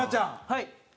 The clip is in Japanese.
はい。